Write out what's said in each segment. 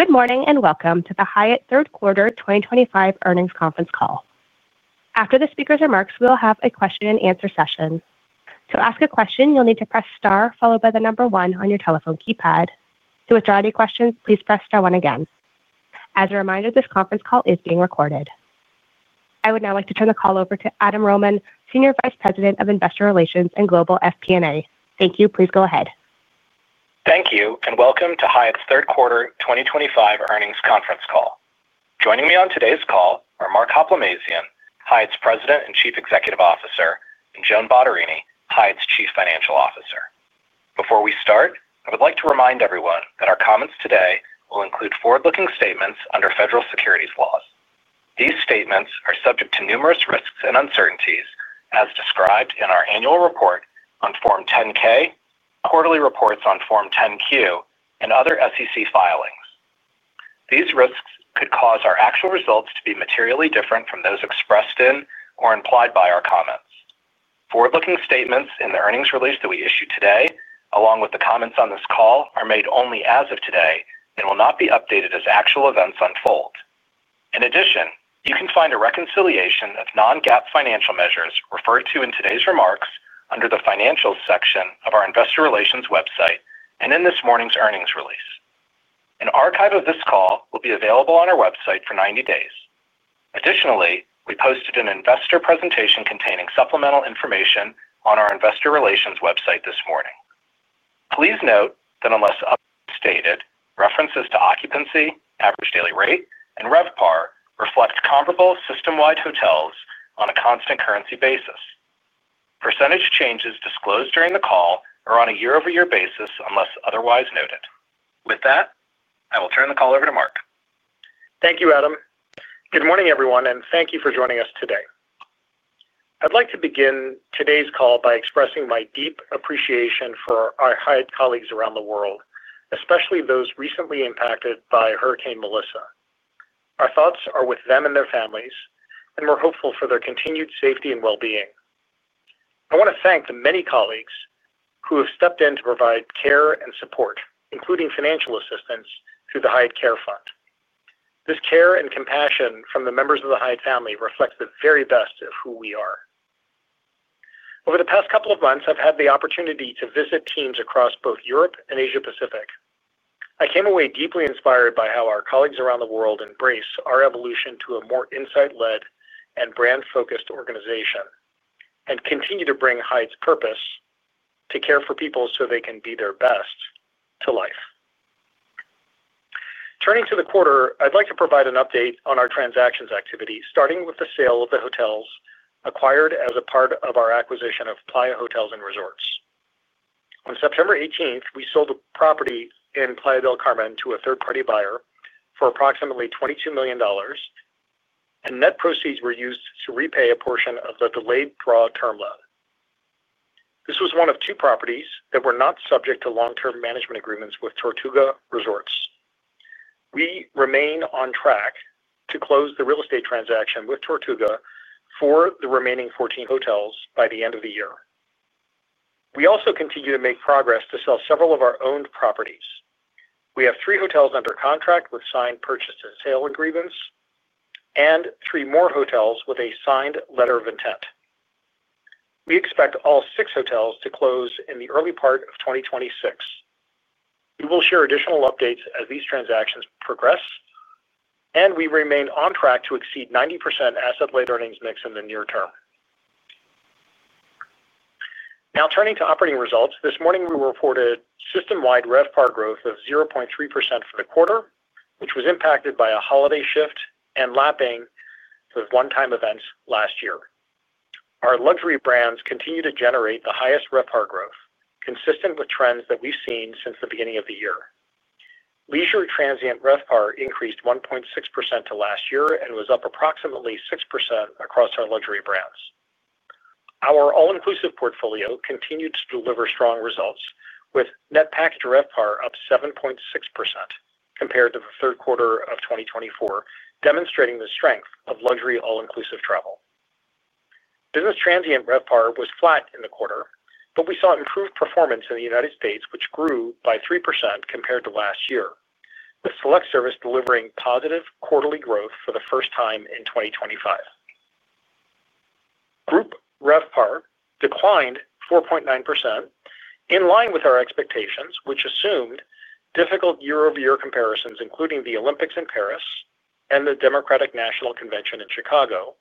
Good morning and welcome to the Hyatt third quarter 2025 earnings conference call. After the speakers' remarks, we will have a question-and-answer session. To ask a question, you'll need to press star followed by the number one on your telephone keypad. To withdraw any questions, please press star one again. As a reminder, this conference call is being recorded. I would now like to turn the call over to Adam Rohman, Senior Vice President of Investor Relations and Global FP&A. Thank you. Please go ahead. Thank you, and welcome to Hyatt's Third Quarter 2025 earnings conference call. Joining me on today's call are Mark Hoplamazian, Hyatt's President and Chief Executive Officer, and Joan Bottarini, Hyatt's Chief Financial Officer. Before we start, I would like to remind everyone that our comments today will include forward-looking statements under federal securities laws. These statements are subject to numerous risks and uncertainties, as described in our annual report on Form 10-K, quarterly reports on Form 10-Q, and other SEC filings. These risks could cause our actual results to be materially different from those expressed in or implied by our comments. Forward-looking statements in the earnings release that we issue today, along with the comments on this call, are made only as of today and will not be updated as actual events unfold. In addition, you can find a reconciliation of non-GAAP financial measures referred to in today's remarks under the financials section of our Investor Relations website and in this morning's earnings release. An archive of this call will be available on our website for 90 days. Additionally, we posted an investor presentation containing supplemental information on our Investor Relations website this morning. Please note that unless otherwise stated, references to occupancy, average daily rate, and RevPAR reflect comparable system-wide hotels on a constant currency basis. Percentage changes disclosed during the call are on a year-over-year basis unless otherwise noted. With that, I will turn the call over to Mark. Thank you, Adam. Good morning, everyone, and thank you for joining us today. I'd like to begin today's call by expressing my deep appreciation for our Hyatt colleagues around the world, especially those recently impacted by Hurricane Melissa. Our thoughts are with them and their families, and we're hopeful for their continued safety and well-being. I want to thank the many colleagues who have stepped in to provide care and support, including financial assistance through the Hyatt Care Fund. This care and compassion from the members of the Hyatt family reflects the very best of who we are. Over the past couple of months, I've had the opportunity to visit teams across both Europe and Asia-Pacific. I came away deeply inspired by how our colleagues around the world embrace our evolution to a more insight-led and brand-focused organization and continue to bring Hyatt's purpose to care for people so they can be their best to life. Turning to the quarter, I'd like to provide an update on our transactions activity, starting with the sale of the hotels acquired as a part of our acquisition of Playa Hotels & Resorts. On September 18, we sold a property in Playa del Carmen to a third-party buyer for approximately $22 million. Net proceeds were used to repay a portion of the delayed draw term loan. This was one of two properties that were not subject to long-term management agreements with Tortuga Resorts. We remain on track to close the real estate transaction with Tortuga for the remaining 14 hotels by the end of the year. We also continue to make progress to sell several of our owned properties. We have three hotels under contract with signed purchase and sale agreements and three more hotels with a signed letter of intent. We expect all six hotels to close in the early part of 2026. We will share additional updates as these transactions progress. We remain on track to exceed 90% asset-led earnings mix in the near term. Now, turning to operating results, this morning we reported system-wide RevPAR growth of 0.3% for the quarter, which was impacted by a holiday shift and lapping those one-time events last year. Our luxury brands continue to generate the highest RevPAR growth, consistent with trends that we've seen since the beginning of the year. Leisure transient RevPAR increased 1.6% to last year and was up approximately 6% across our luxury brands. Our all-inclusive portfolio continued to deliver strong results, with net package RevPAR up 7.6% compared to the third quarter of 2024, demonstrating the strength of luxury all-inclusive travel. Business transient RevPAR was flat in the quarter, but we saw improved performance in the United States, which grew by 3% compared to last year, with select service delivering positive quarterly growth for the first time in 2025. Group RevPAR declined 4.9%. In line with our expectations, which assumed difficult year-over-year comparisons, including the Olympics in Paris and the Democratic National Convention in Chicago,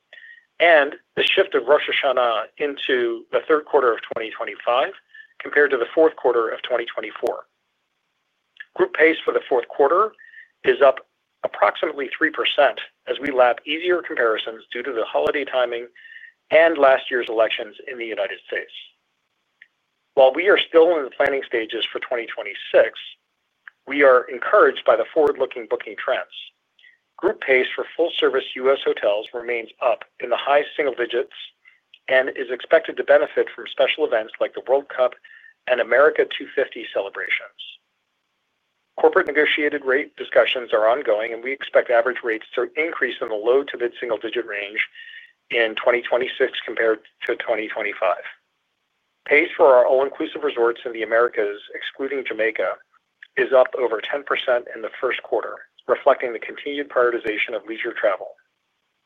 and the shift of Rosh Hashanah into the third quarter of 2025 compared to the fourth quarter of 2024. Group pace for the fourth quarter is up approximately 3% as we lap easier comparisons due to the holiday timing and last year's elections in the United States. While we are still in the planning stages for 2026, we are encouraged by the forward-looking booking trends. Group pace for full-service U.S. hotels remains up in the high single digits and is expected to benefit from special events like the World Cup and America 250 celebrations. Corporate negotiated rate discussions are ongoing, and we expect average rates to increase in the low to mid-single digit range in 2026 compared to 2025. Pace for our all-inclusive resorts in the Americas, excluding Jamaica, is up over 10% in the first quarter, reflecting the continued prioritization of leisure travel.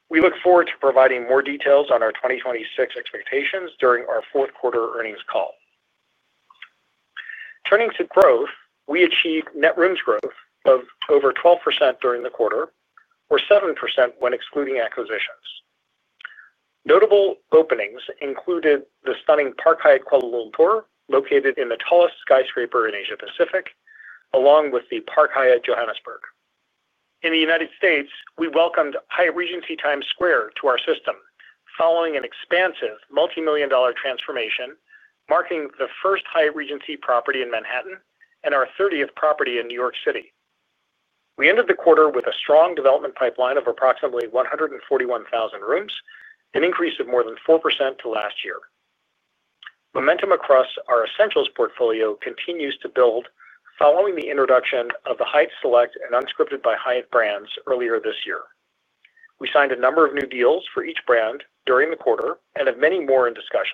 We look forward to providing more details on our 2026 expectations during our fourth quarter earnings call. Turning to growth, we achieved net rooms growth of over 12% during the quarter, or 7% when excluding acquisitions. Notable openings included the stunning Park Hyatt Kuala Lumpur, located in the tallest skyscraper in Asia-Pacific, along with the Park Hyatt Johannesburg. In the United States, we welcomed Hyatt Regency Times Square to our system, following an expansive multi-million dollar transformation, marking the first Hyatt Regency property in Manhattan and our 30th property in New York City. We ended the quarter with a strong development pipeline of approximately 141,000 rooms, an increase of more than 4% to last year. Momentum across our essentials portfolio continues to build, following the introduction of the Hyatt Select and Unscripted by Hyatt brands earlier this year. We signed a number of new deals for each brand during the quarter and have many more in discussion.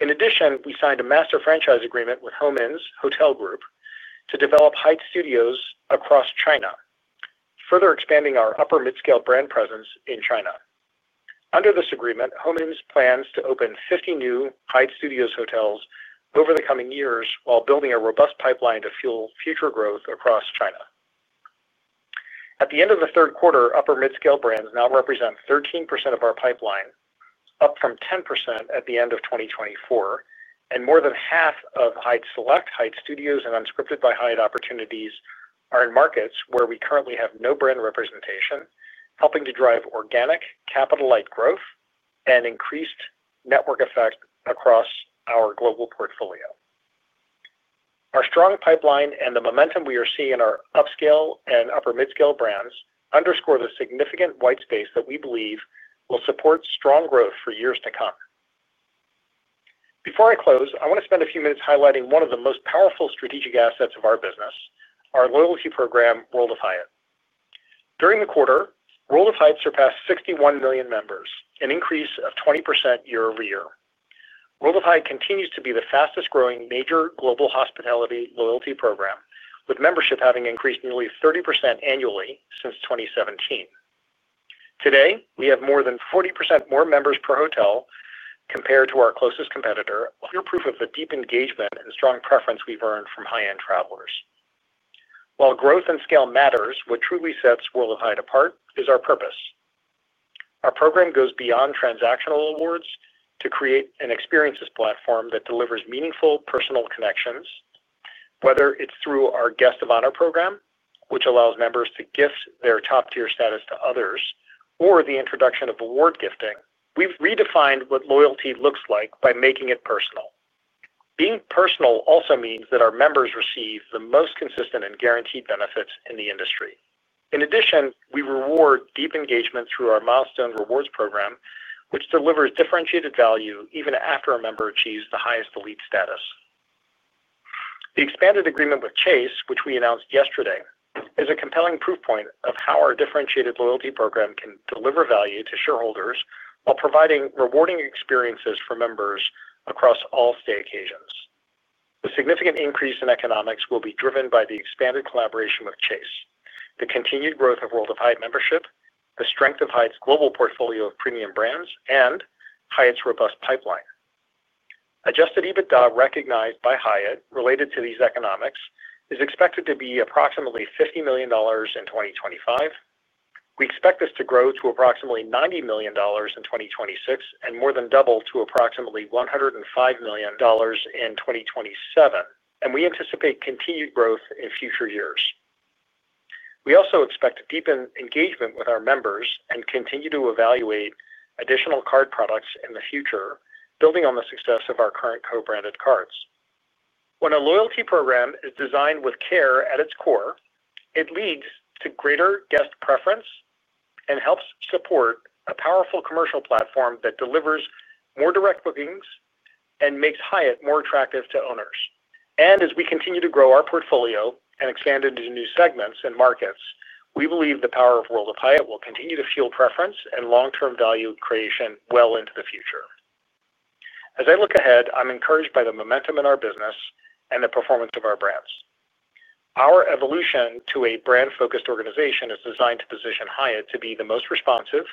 In addition, we signed a master franchise agreement with Homeinns Hotel Group to develop Hyatt Studios across China, further expanding our upper mid-scale brand presence in China. Under this agreement, Homeinns plans to open 50 new Hyatt Studios hotels over the coming years while building a robust pipeline to fuel future growth across China. At the end of the third quarter, upper mid-scale brands now represent 13% of our pipeline, up from 10% at the end of 2024, and more than half of Hyatt Select, Hyatt Studios, and Unscripted by Hyatt opportunities are in markets where we currently have no brand representation, helping to drive organic capital-light growth and increased network effect across our global portfolio. Our strong pipeline and the momentum we are seeing in our upscale and upper mid-scale brands underscore the significant white space that we believe will support strong growth for years to come. Before I close, I want to spend a few minutes highlighting one of the most powerful strategic assets of our business, our loyalty program, World of Hyatt. During the quarter, World of Hyatt surpassed 61 million members, an increase of 20% year-over-year. World of Hyatt continues to be the fastest-growing major global hospitality loyalty program, with membership having increased nearly 30% annually since 2017. Today, we have more than 40% more members per hotel compared to our closest competitor, a proof of the deep engagement and strong preference we've earned from high-end travelers. While growth and scale matter, what truly sets World of Hyatt apart is our purpose. Our program goes beyond transactional awards to create an experiences platform that delivers meaningful personal connections, whether it's through our guest of honor program, which allows members to gift their top-tier status to others, or the introduction of award gifting. We've redefined what loyalty looks like by making it personal. Being personal also means that our members receive the most consistent and guaranteed benefits in the industry. In addition, we reward deep engagement through our milestone rewards program, which delivers differentiated value even after a member achieves the highest elite status. The expanded agreement with Chase, which we announced yesterday, is a compelling proof point of how our differentiated loyalty program can deliver value to shareholders while providing rewarding experiences for members across all stay occasions. The significant increase in economics will be driven by the expanded collaboration with Chase, the continued growth of World of Hyatt membership, the strength of Hyatt's global portfolio of premium brands, and Hyatt's robust pipeline. Adjusted EBITDA recognized by Hyatt related to these economics is expected to be approximately $50 million in 2025. We expect this to grow to approximately $90 million in 2026 and more than double to approximately $105 million in 2027, and we anticipate continued growth in future years. We also expect deepened engagement with our members and continue to evaluate additional card products in the future, building on the success of our current co-branded cards. When a loyalty program is designed with care at its core, it leads to greater guest preference and helps support a powerful commercial platform that delivers more direct bookings and makes Hyatt more attractive to owners. As we continue to grow our portfolio and expand into new segments and markets, we believe the power of World of Hyatt will continue to fuel preference and long-term value creation well into the future. As I look ahead, I'm encouraged by the momentum in our business and the performance of our brands. Our evolution to a brand-focused organization is designed to position Hyatt to be the most responsive,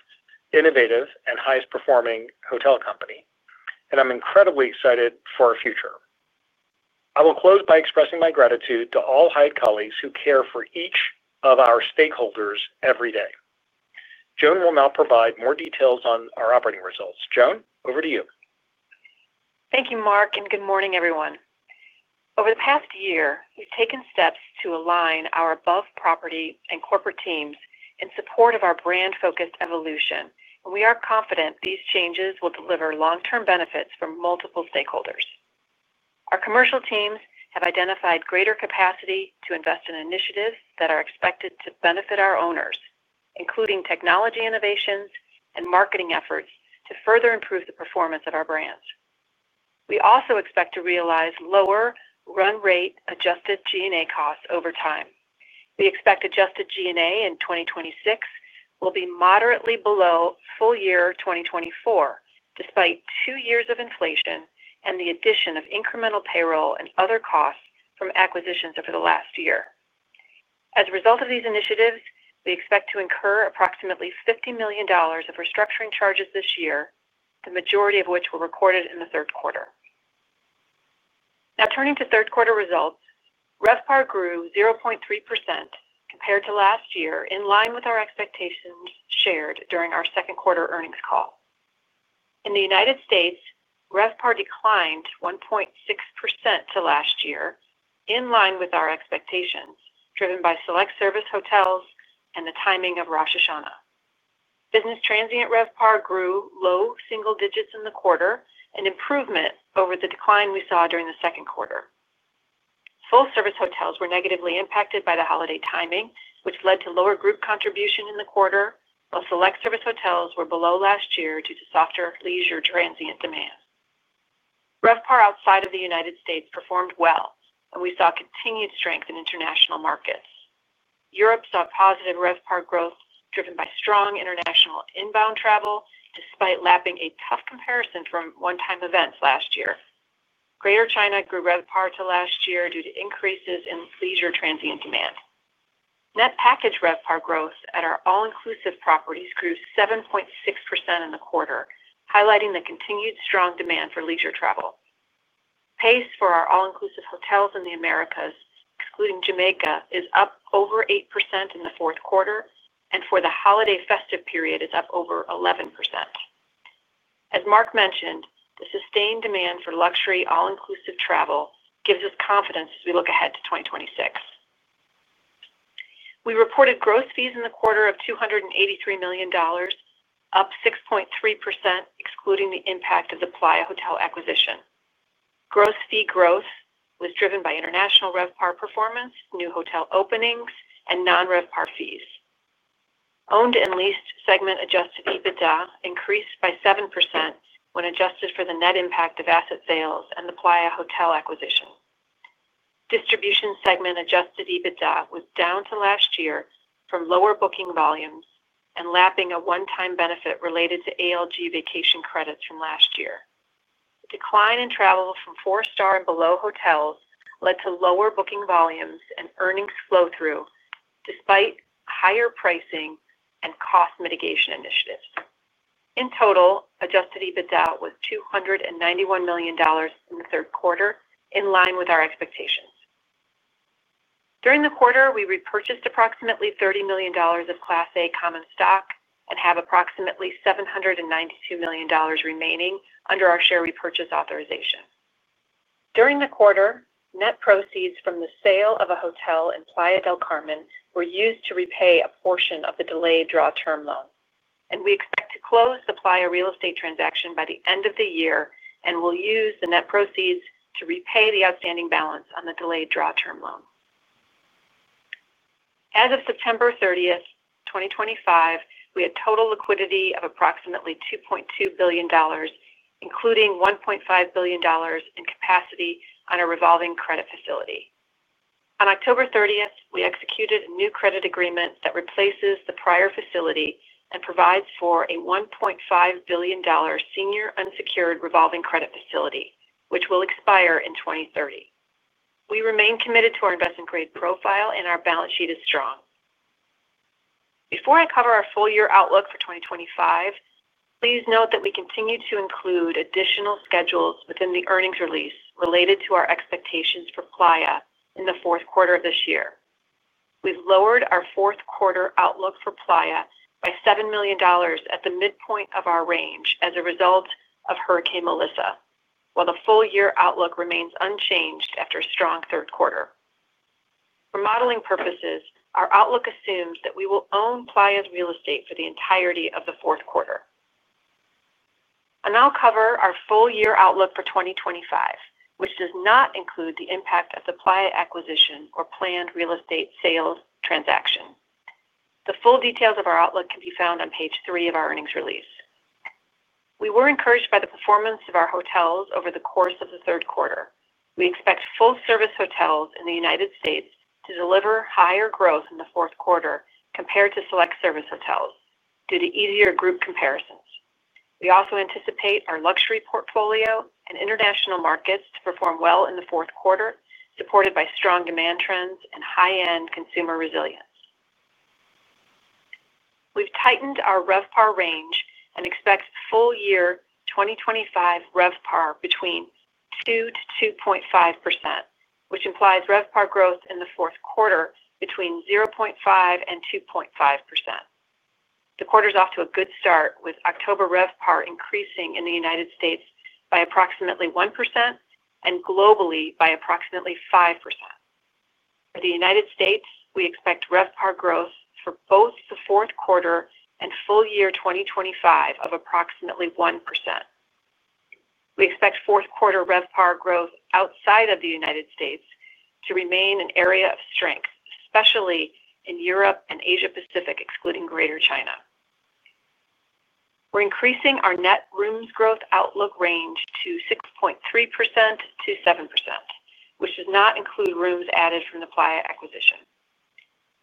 innovative, and highest-performing hotel company, and I'm incredibly excited for our future. I will close by expressing my gratitude to all Hyatt colleagues who care for each of our stakeholders every day. Joan will now provide more details on our operating results. Joan, over to you. Thank you, Mark, and good morning, everyone. Over the past year, we've taken steps to align our above-property and corporate teams in support of our brand-focused evolution, and we are confident these changes will deliver long-term benefits for multiple stakeholders. Our commercial teams have identified greater capacity to invest in initiatives that are expected to benefit our owners, including technology innovations and marketing efforts to further improve the performance of our brands. We also expect to realize lower run-rate adjusted G&A costs over time. We expect adjusted G&A in 2026 will be moderately below full year 2024, despite two years of inflation and the addition of incremental payroll and other costs from acquisitions over the last year. As a result of these initiatives, we expect to incur approximately $50 million of restructuring charges this year, the majority of which were recorded in the third quarter. Now, turning to third quarter results, RevPAR grew 0.3% compared to last year, in line with our expectations shared during our second quarter earnings call. In the U.S., RevPAR declined 1.6% to last year, in line with our expectations, driven by select service hotels and the timing of Rosh Hashanah. Business transient RevPAR grew low single digits in the quarter, an improvement over the decline we saw during the second quarter. Full-service hotels were negatively impacted by the holiday timing, which led to lower group contribution in the quarter, while select service hotels were below last year due to softer leisure transient demand. RevPAR outside of the U.S. performed well, and we saw continued strength in international markets. Europe saw positive RevPAR growth driven by strong international inbound travel, despite lapping a tough comparison from one-time events last year. Greater China grew RevPAR to last year due to increases in leisure transient demand. Net package RevPAR growth at our all-inclusive properties grew 7.6% in the quarter, highlighting the continued strong demand for leisure travel. Pace for our all-inclusive hotels in the Americas, excluding Jamaica, is up over 8% in the fourth quarter, and for the holiday festive period, it is up over 11%. As Mark mentioned, the sustained demand for luxury all-inclusive travel gives us confidence as we look ahead to 2026. We reported gross fees in the quarter of $283 million, up 6.3%, excluding the impact of the Playa Hotel acquisition. Gross fee growth was driven by international RevPAR performance, new hotel openings, and non-RevPAR fees. Owned and leased segment adjusted EBITDA increased by 7% when adjusted for the net impact of asset sales and the Playa Hotels acquisition. Distribution segment adjusted EBITDA was down to last year from lower booking volumes and lapping a one-time benefit related to ALG vacation credits from last year. The decline in travel from four-star and below hotels led to lower booking volumes and earnings flow-through, despite higher pricing and cost mitigation initiatives. In total, adjusted EBITDA was $291 million in the third quarter, in line with our expectations. During the quarter, we repurchased approximately $30 million of Class A common stock and have approximately $792 million remaining under our share repurchase authorization. During the quarter, net proceeds from the sale of a hotel in Playa del Carmen were used to repay a portion of the delayed draw term loan, and we expect to close the Playa real estate transaction by the end of the year and will use the net proceeds to repay the outstanding balance on the delayed draw term loan. As of September 30th, 2025, we had total liquidity of approximately $2.2 billion, including $1.5 billion in capacity on a revolving credit facility. On October 30th, we executed a new credit agreement that replaces the prior facility and provides for a $1.5 billion senior unsecured revolving credit facility, which will expire in 2030. We remain committed to our investment-grade profile, and our balance sheet is strong. Before I cover our full year outlook for 2025, please note that we continue to include additional schedules within the earnings release related to our expectations for Playa in the fourth quarter of this year. We've lowered our fourth quarter outlook for Playa by $7 million at the midpoint of our range as a result of Hurricane Melissa, while the full year outlook remains unchanged after a strong third quarter. For modeling purposes, our outlook assumes that we will own Playa's real estate for the entirety of the fourth quarter. I'll now cover our full year outlook for 2025, which does not include the impact of the Playa acquisition or planned real estate sales transaction. The full details of our outlook can be found on page three of our earnings release. We were encouraged by the performance of our hotels over the course of the third quarter. We expect full-service hotels in the United States to deliver higher growth in the fourth quarter compared to select service hotels due to easier group comparisons. We also anticipate our luxury portfolio and international markets to perform well in the fourth quarter, supported by strong demand trends and high-end consumer resilience. We've tightened our RevPAR range and expect full year 2025 RevPAR between 2%-2.5%, which implies RevPAR growth in the fourth quarter between 0.5% and 2.5%. The quarter's off to a good start, with October RevPAR increasing in the U.S. by approximately 1% and globally by approximately 5%. For the U.S., we expect RevPAR growth for both the fourth quarter and full year 2025 of approximately 1%. We expect fourth quarter RevPAR growth outside of the U.S. to remain an area of strength, especially in Europe and Asia-Pacific, excluding Greater China. We're increasing our net rooms growth outlook range to 6.3%-7%, which does not include rooms added from the Playa acquisition.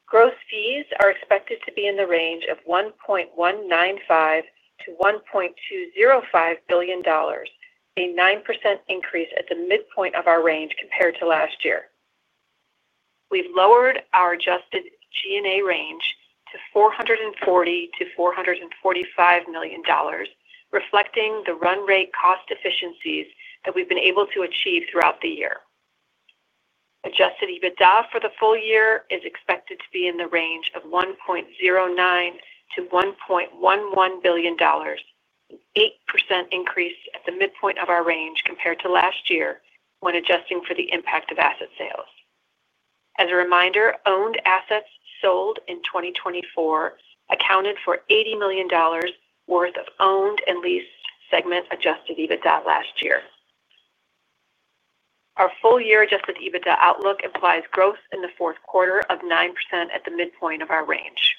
Gross fees are expected to be in the range of $1.195 billion-$1.205 billion, a 9% increase at the midpoint of our range compared to last year. We've lowered our adjusted G&A range to $440 million-$445 million, reflecting the run-rate cost efficiencies that we've been able to achieve throughout the year. Adjusted EBITDA for the full year is expected to be in the range of $1.09 billion-$1.11 billion. An 8% increase at the midpoint of our range compared to last year when adjusting for the impact of asset sales. As a reminder, owned assets sold in 2024 accounted for $80 million worth of owned and leased segment adjusted EBITDA last year. Our full year adjusted EBITDA outlook implies growth in the fourth quarter of 9% at the midpoint of our range.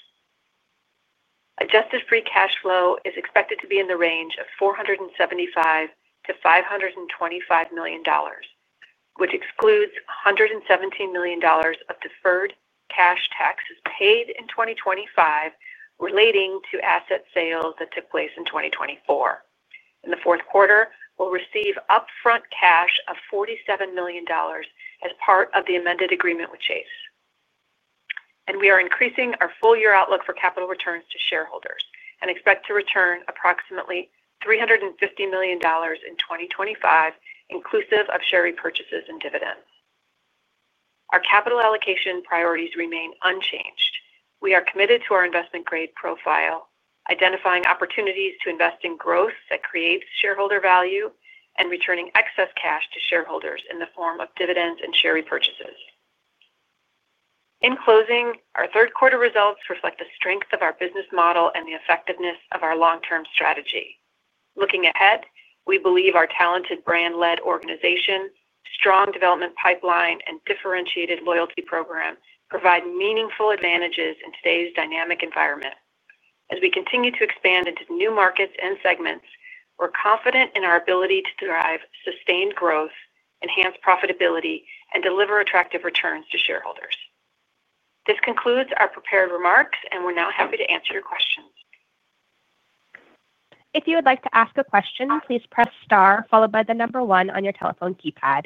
Adjusted free cash flow is expected to be in the range of $475 million-$525 million, which excludes $117 million of deferred cash taxes paid in 2025 relating to asset sales that took place in 2024. In the fourth quarter, we will receive upfront cash of $47 million as part of the amended agreement with Chase. We are increasing our full year outlook for capital returns to shareholders and expect to return approximately $350 million in 2025, inclusive of share repurchases and dividends. Our capital allocation priorities remain unchanged. We are committed to our investment-grade profile, identifying opportunities to invest in growth that creates shareholder value and returning excess cash to shareholders in the form of dividends and share repurchases. In closing, our third quarter results reflect the strength of our business model and the effectiveness of our long-term strategy. Looking ahead, we believe our talented brand-led organization, strong development pipeline, and differentiated loyalty program provide meaningful advantages in today's dynamic environment. As we continue to expand into new markets and segments, we're confident in our ability to drive sustained growth, enhance profitability, and deliver attractive returns to shareholders. This concludes our prepared remarks, and we're now happy to answer your questions. If you would like to ask a question, please press star followed by the number one on your telephone keypad.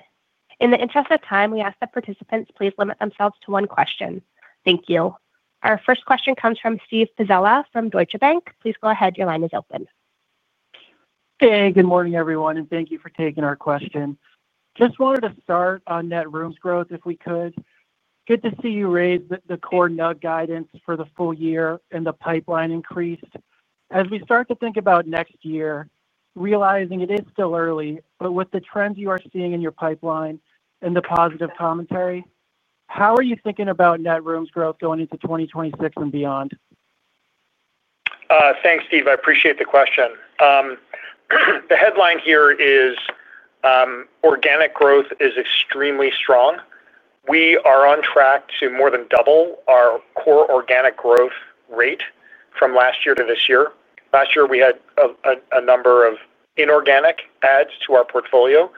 In the interest of time, we ask that participants please limit themselves to one question. Thank you. Our first question comes from Steve Pizzella from Deutsche Bank. Please go ahead. Your line is open. Hey, good morning, everyone, and thank you for taking our question. Just wanted to start on net rooms growth if we could. Good to see you raise the core nug guidance for the full year and the pipeline increase. As we start to think about next year, realizing it is still early, but with the trends you are seeing in your pipeline and the positive commentary, how are you thinking about net rooms growth going into 2026 and beyond? Thanks, Steve. I appreciate the question. The headline here is, organic growth is extremely strong. We are on track to more than double our core organic growth rate from last year to this year. Last year, we had a number of inorganic adds to our portfolio.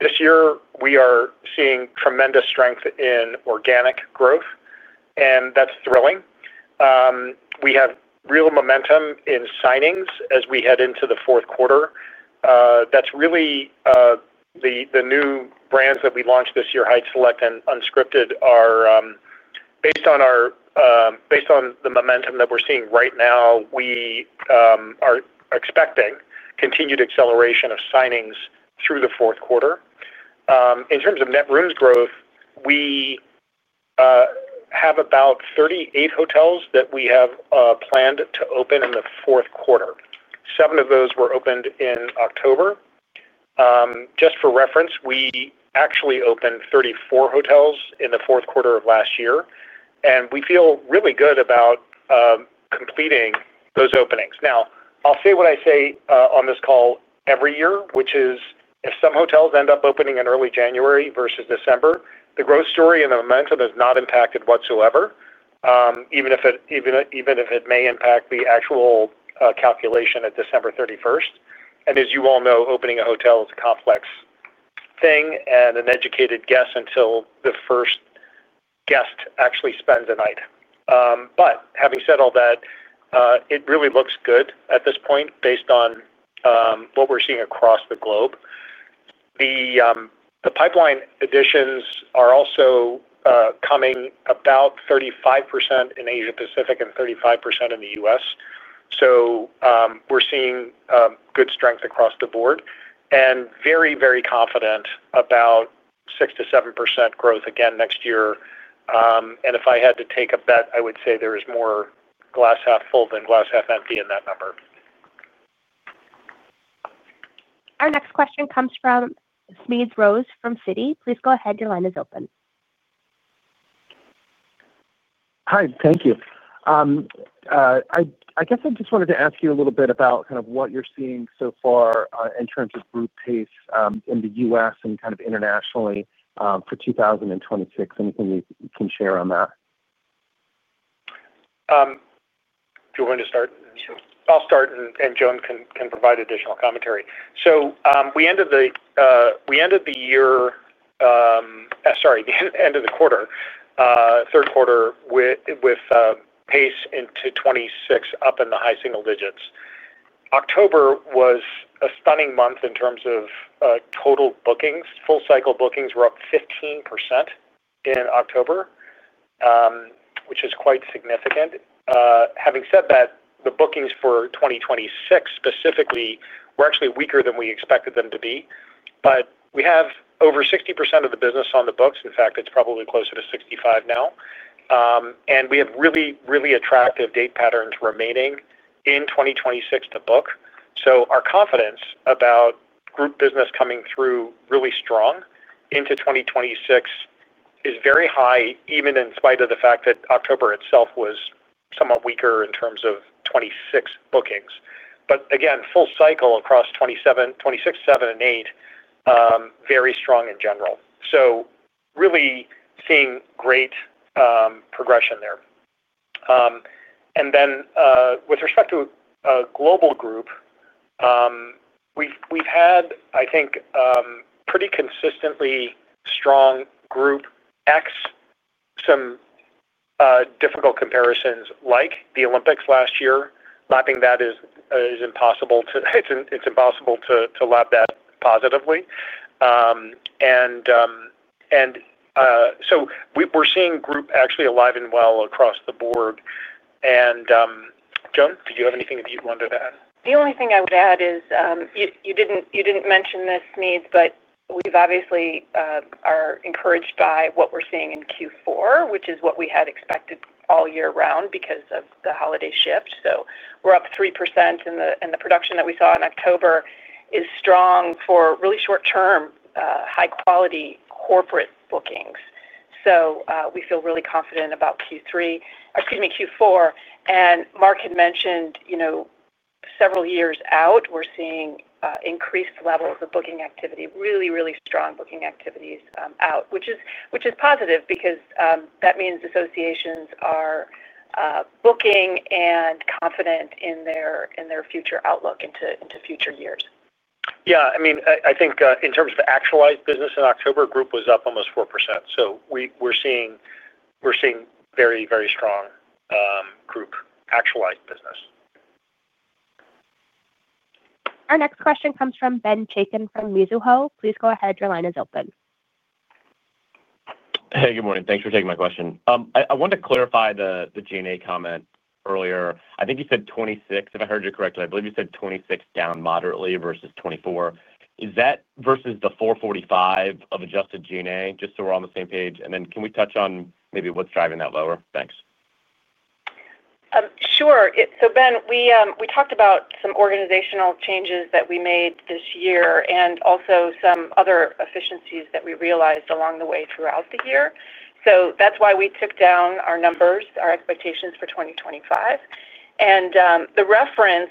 This year, we are seeing tremendous strength in organic growth, and that's thrilling. We have real momentum in signings as we head into the fourth quarter. That's really, the new brands that we launched this year, Hyatt Select and Unscripted, are, based on the momentum that we're seeing right now, we are expecting continued acceleration of signings through the fourth quarter. In terms of net rooms growth, we have about 38 hotels that we have planned to open in the fourth quarter. Seven of those were opened in October. Just for reference, we actually opened 34 hotels in the fourth quarter of last year, and we feel really good about completing those openings. Now, I'll say what I say on this call every year, which is if some hotels end up opening in early January versus December, the growth story and the momentum has not impacted whatsoever, even if it may impact the actual calculation at December 31st. As you all know, opening a hotel is a complex thing and an educated guess until the first guest actually spends a night. Having said all that, it really looks good at this point based on what we're seeing across the globe. The pipeline additions are also coming about 35% in Asia-Pacific and 35% in the US. We're seeing good strength across the board and very, very confident about 6%-7% growth again next year. If I had to take a bet, I would say there is more glass half full than glass half empty in that number. Our next question comes from Smedes Rose from Citi. Please go ahead. Your line is open. Hi. Thank you. I guess I just wanted to ask you a little bit about kind of what you're seeing so far in terms of group pace in the U.S. and kind of internationally for 2026. Anything you can share on that? Do you want me to start? Sure. I'll start, and Joan can provide additional commentary. We ended the year—sorry, the end of the quarter, third quarter with pace into 2026 up in the high single digits. October was a stunning month in terms of total bookings. Full cycle bookings were up 15% in October, which is quite significant. Having said that, the bookings for 2026 specifically were actually weaker than we expected them to be. We have over 60% of the business on the books. In fact, it's probably closer to 65 now. We have really, really attractive date patterns remaining in 2026 to book. Our confidence about group business coming through really strong into 2026 is very high, even in spite of the fact that October itself was somewhat weaker in terms of 2026 bookings. Again, full cycle across 2026, 2027, and 2028, very strong in general. Really seeing great progression there. With respect to a global group, we've had, I think, pretty consistently strong group X. Some difficult comparisons like the Olympics last year. Lapping that is impossible to—it's impossible to lap that positively. We're seeing group actually alive and well across the board. Joan, did you have anything that you wanted to add? The only thing I would add is you did not mention this, Smedes, but we obviously are encouraged by what we are seeing in Q4, which is what we had expected all year round because of the holiday shift. We are up 3%, and the production that we saw in October is strong for really short-term, high-quality corporate bookings. We feel really confident about Q3—excuse me, Q4. Mark had mentioned several years out, we are seeing increased levels of booking activity, really, really strong booking activities out, which is positive because that means associations are booking and confident in their future outlook into future years. Yeah. I mean, I think in terms of actualized business in October, group was up almost 4%. So we're seeing very, very strong group actualized business. Our next question comes from Ben Chaiken from Mizuho. Please go ahead. Your line is open. Hey, good morning. Thanks for taking my question. I wanted to clarify the G&A comment earlier. I think you said 2026, if I heard you correctly. I believe you said '26 down moderately versus 2024. Is that versus the $445 of adjusted G&A? Just so we're on the same page. And then can we touch on maybe what's driving that lower? Thanks. Sure. Ben, we talked about some organizational changes that we made this year and also some other efficiencies that we realized along the way throughout the year. That is why we took down our numbers, our expectations for 2025. The reference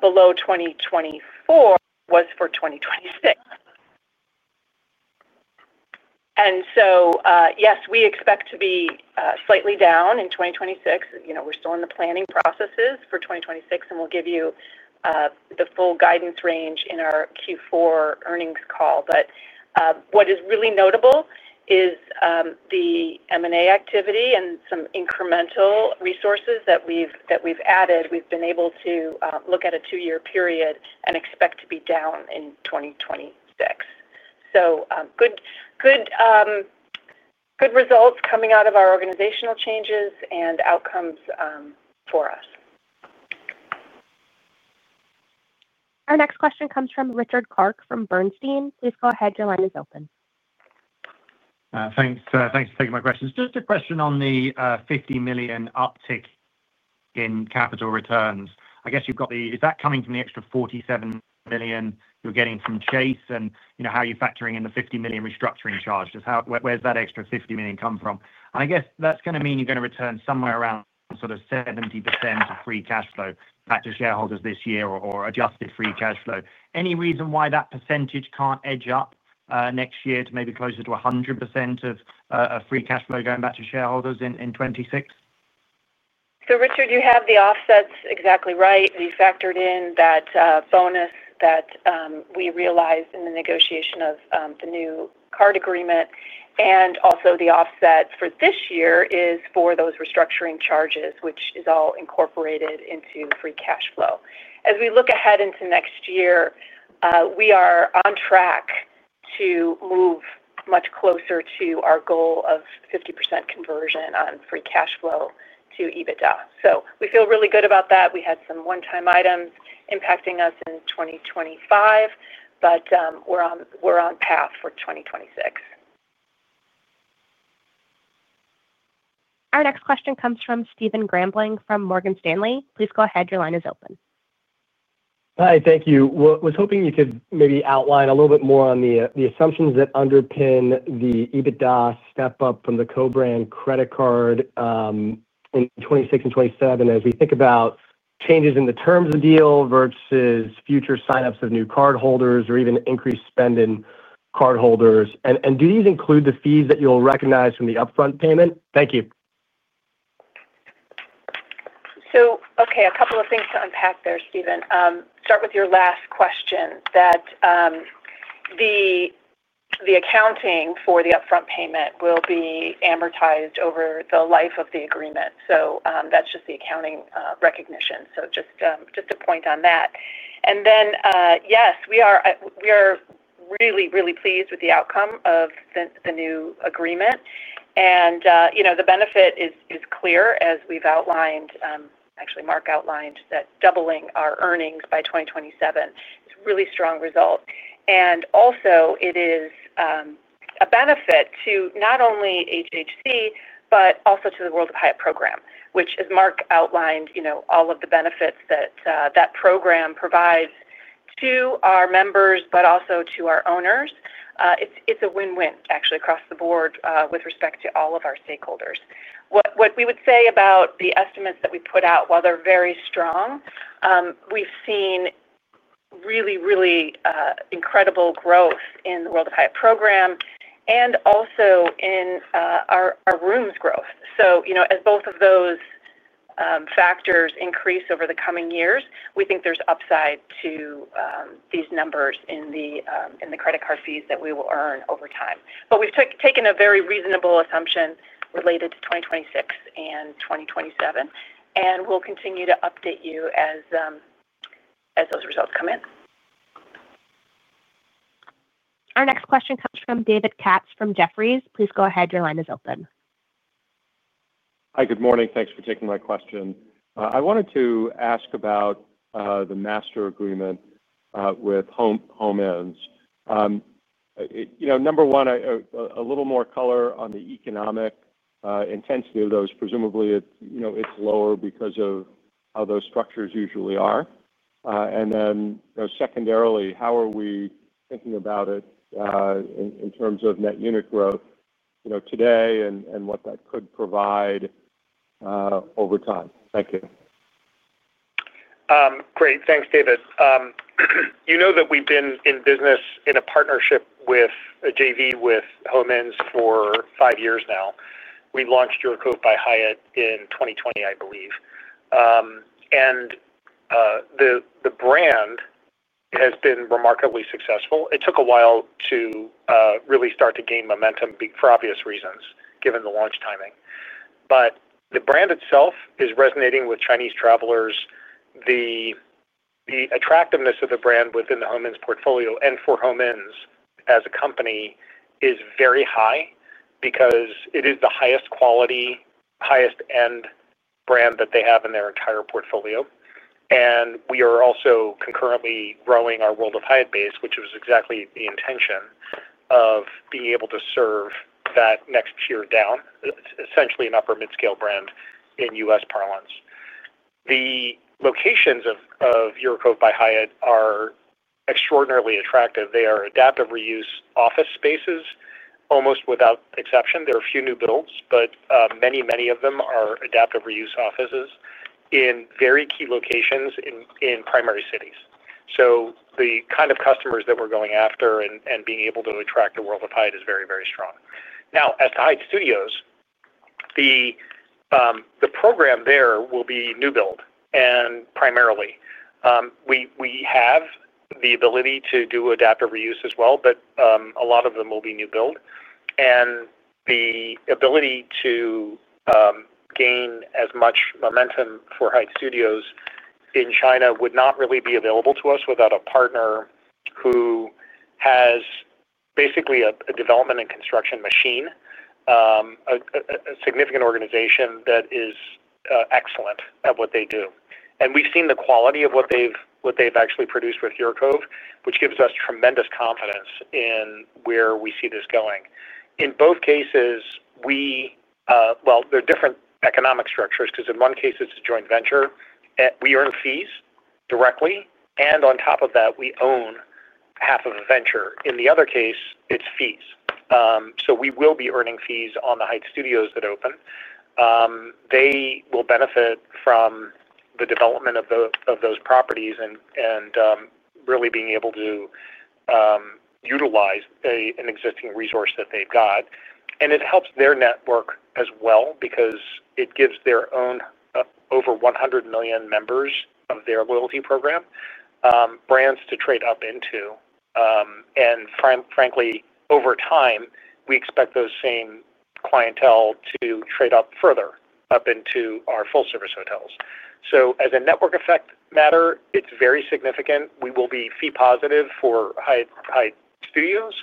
below 2024 was for 2026. Yes, we expect to be slightly down in 2026. We're still in the planning processes for 2026, and we'll give you the full guidance range in our Q4 earnings call. What is really notable is the M&A activity and some incremental resources that we've added. We've been able to look at a two-year period and expect to be down in 2026. Good results coming out of our organizational changes and outcomes for us. Our next question comes from Richard Clarke from Bernstein. Please go ahead. Your line is open. Thanks for taking my questions. Just a question on the $50 million uptick in capital returns. I guess you've got the—is that coming from the extra $47 million you're getting from Chase and how you're factoring in the $50 million restructuring charge? Where's that extra $50 million come from? I guess that's going to mean you're going to return somewhere around sort of 70% of free cash flow back to shareholders this year or adjusted free cash flow. Any reason why that percentage can't edge up next year to maybe closer to 100% of free cash flow going back to shareholders in 2026? Richard, you have the offsets exactly right. We factored in that bonus that we realized in the negotiation of the new card agreement. Also, the offset for this year is for those restructuring charges, which is all incorporated into free cash flow. As we look ahead into next year, we are on track to move much closer to our goal of 50% conversion on free cash flow to EBITDA. We feel really good about that. We had some one-time items impacting us in 2025, but we are on path for 2026. Our next question comes from Stephen Grambling from Morgan Stanley. Please go ahead. Your line is open. Hi. Thank you. Was hoping you could maybe outline a little bit more on the assumptions that underpin the EBITDA step-up from the co-brand credit card. In 2026 and 2027 as we think about changes in the terms of the deal versus future signups of new cardholders or even increased spend in cardholders. Do these include the fees that you'll recognize from the upfront payment? Thank you. Okay, a couple of things to unpack there, Stephen. Start with your last question, that. The accounting for the upfront payment will be amortized over the life of the agreement. That is just the accounting recognition. Just a point on that. Yes, we are really, really pleased with the outcome of the new agreement. The benefit is clear, as we have outlined—actually, Mark outlined—that doubling our earnings by 2027 is a really strong result. Also, it is a benefit to not only HHC, but also to the World of Hyatt program, which, as Mark outlined, all of the benefits that that program provides to our members, but also to our owners. It is a win-win, actually, across the board with respect to all of our stakeholders. What we would say about the estimates that we put out, while they are very strong. We have seen. Really, really incredible growth in the World of Hyatt program and also in our rooms growth. As both of those factors increase over the coming years, we think there's upside to these numbers in the credit card fees that we will earn over time. We've taken a very reasonable assumption related to 2026 and 2027. We will continue to update you as those results come in. Our next question comes from David Katz from Jefferies. Please go ahead. Your line is open. Hi. Good morning. Thanks for taking my question. I wanted to ask about the master agreement with Homeinns. Number one, a little more color on the economic intensity of those. Presumably, it's lower because of how those structures usually are. Then secondarily, how are we thinking about it in terms of net unit growth today and what that could provide over time? Thank you. Great. Thanks, David. You know that we've been in business in a partnership with JV with Homeinns for five years now. We launched UrCove by Hyatt in 2020, I believe. The brand has been remarkably successful. It took a while to really start to gain momentum for obvious reasons, given the launch timing. The brand itself is resonating with Chinese travelers. The attractiveness of the brand within the Homeinns portfolio and for Homeinns as a company is very high because it is the highest quality, highest-end brand that they have in their entire portfolio. We are also concurrently growing our World of Hyatt base, which was exactly the intention of being able to serve that next tier down, essentially an upper-mid-scale brand in U.S. parlance. The locations of UrCove by Hyatt are extraordinarily attractive. They are adaptive reuse office spaces, almost without exception. There are a few new builds, but many, many of them are adaptive reuse offices in very key locations in primary cities. The kind of customers that we are going after and being able to attract to World of Hyatt is very, very strong. Now, as to Hyatt Studios. The program there will be new build primarily. We have the ability to do adaptive reuse as well, but a lot of them will be new build. The ability to gain as much momentum for Hyatt Studios in China would not really be available to us without a partner who has basically a development and construction machine, a significant organization that is excellent at what they do. We have seen the quality of what they have actually produced with UrCove, which gives us tremendous confidence in where we see this going. In both cases, we—there are different economic structures because in one case, it's a joint venture. We earn fees directly. On top of that, we own half of the venture. In the other case, it's fees. We will be earning fees on the Hyatt Studios that open. They will benefit from the development of those properties and really being able to utilize an existing resource that they've got. It helps their network as well because it gives their own over 100 million members of their loyalty program brands to trade up into. Frankly, over time, we expect those same clientele to trade up further up into our full-service hotels. As a network effect matter, it's very significant. We will be fee-positive for Hyatt Studios.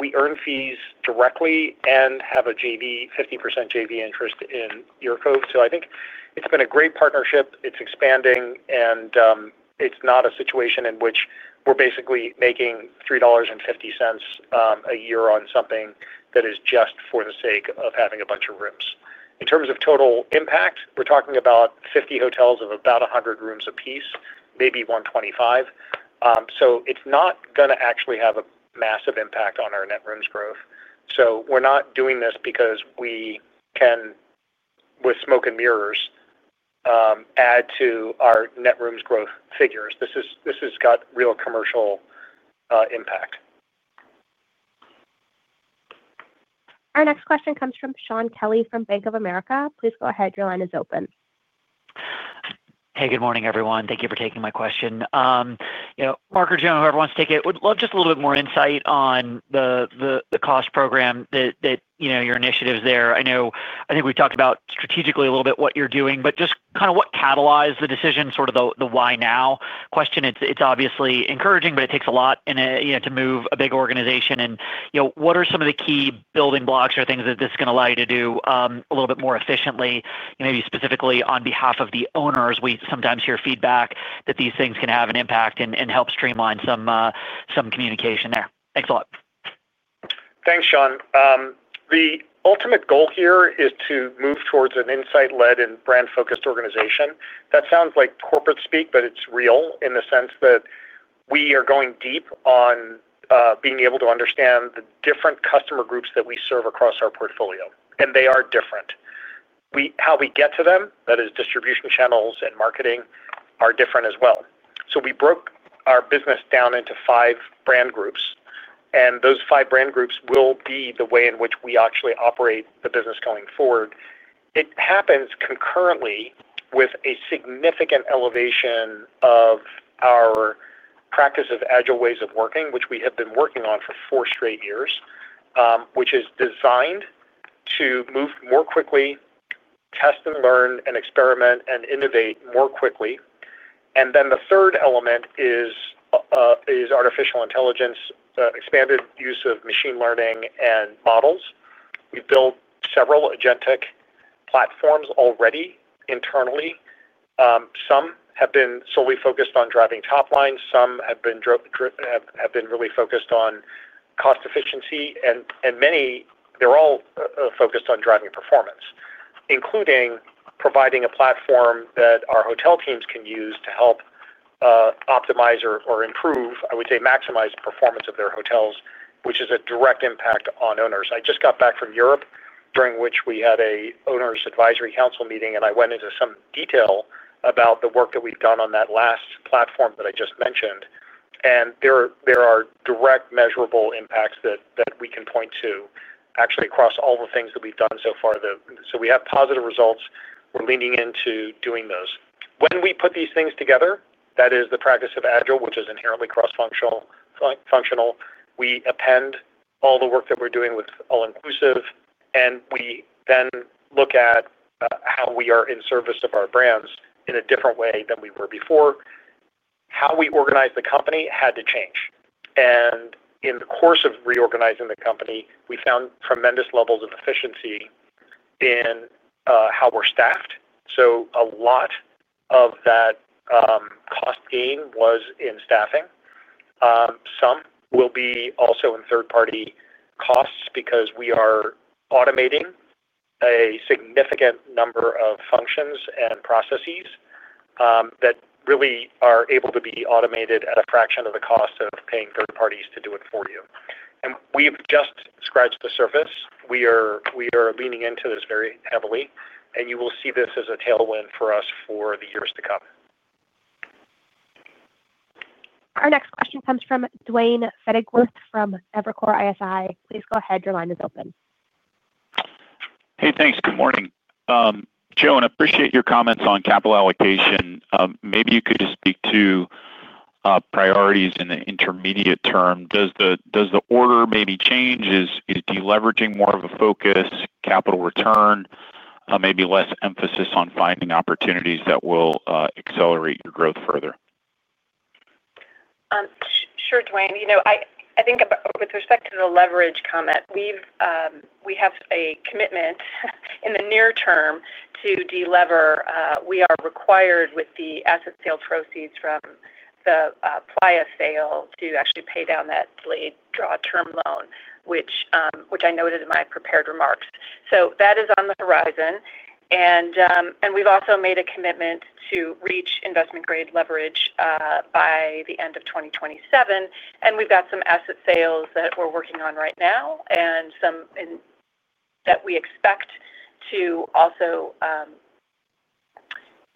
We earn fees directly and have a 50% JV interest in UrCove. I think it's been a great partnership. It's expanding. It's not a situation in which we're basically making $3.50 a year on something that is just for the sake of having a bunch of rooms. In terms of total impact, we're talking about 50 hotels of about 100 rooms apiece, maybe 125. It's not going to actually have a massive impact on our net rooms growth. We're not doing this because we can, with smoke and mirrors, add to our net rooms growth figures. This has got real commercial impact. Our next question comes from Shaun Kelley from Bank of America. Please go ahead. Your line is open. Hey, good morning, everyone. Thank you for taking my question. Mark or Joan, whoever wants to take it, would love just a little bit more insight on the cost program, your initiatives there. I think we've talked about strategically a little bit what you're doing, but just kind of what catalyzed the decision, sort of the why now question. It's obviously encouraging, but it takes a lot to move a big organization. What are some of the key building blocks or things that this is going to allow you to do a little bit more efficiently, maybe specifically on behalf of the owners? We sometimes hear feedback that these things can have an impact and help streamline some communication there. Thanks a lot. Thanks, Shaun. The ultimate goal here is to move towards an insight-led and brand-focused organization. That sounds like corporate speak, but it's real in the sense that we are going deep on being able to understand the different customer groups that we serve across our portfolio. They are different. How we get to them, that is, distribution channels and marketing, are different as well. We broke our business down into five brand groups. Those five brand groups will be the way in which we actually operate the business going forward. It happens concurrently with a significant elevation of our practice of agile ways of working, which we have been working on for four straight years, which is designed to move more quickly, test and learn and experiment and innovate more quickly. The third element is artificial intelligence, expanded use of machine learning, and models. We've built several agentic platforms already internally. Some have been solely focused on driving top line. Some have been really focused on cost efficiency. They are all focused on driving performance, including providing a platform that our hotel teams can use to help optimize or improve, I would say, maximize the performance of their hotels, which is a direct impact on owners. I just got back from Europe, during which we had an owners' advisory council meeting, and I went into some detail about the work that we've done on that last platform that I just mentioned. There are direct, measurable impacts that we can point to, actually, across all the things that we've done so far. We have positive results. We're leaning into doing those. When we put these things together, that is the practice of agile, which is inherently cross-functional. We append all the work that we're doing with all-inclusive. We then look at how we are in service of our brands in a different way than we were before. How we organize the company had to change. In the course of reorganizing the company, we found tremendous levels of efficiency in how we're staffed. A lot of that cost gain was in staffing. Some will be also in third-party costs because we are automating a significant number of functions and processes that really are able to be automated at a fraction of the cost of paying third parties to do it for you. We've just scratched the surface. We are leaning into this very heavily. You will see this as a tailwind for us for the years to come. Our next question comes from Duane Pfennigwerth from Evercore ISI. Please go ahead. Your line is open. Hey, thanks. Good morning. Joan, I appreciate your comments on capital allocation. Maybe you could just speak to priorities in the intermediate term. Does the order maybe change? Is deleveraging more of a focus, capital return, maybe less emphasis on finding opportunities that will accelerate your growth further? Sure, Duane. I think with respect to the leverage comment, we have a commitment in the near term to delever. We are required with the asset sales proceeds from the Playa sale to actually pay down that delayed draw term loan, which I noted in my prepared remarks. That is on the horizon. We have also made a commitment to reach investment-grade leverage by the end of 2027. We have some asset sales that we are working on right now and some that we expect to also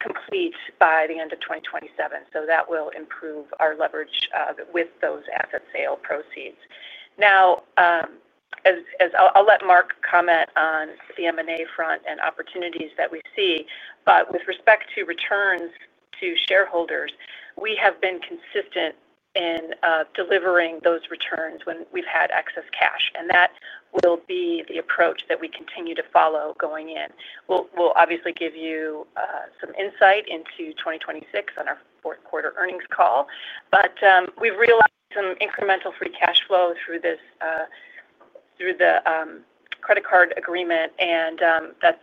complete by the end of 2027. That will improve our leverage with those asset sale proceeds. Now, I will let Mark comment on the M&A front and opportunities that we see. With respect to returns to shareholders, we have been consistent in delivering those returns when we have had excess cash. That will be the approach that we continue to follow going in. We'll obviously give you some insight into 2026 on our fourth-quarter earnings call. We've realized some incremental free cash flow through the credit card agreement, and that's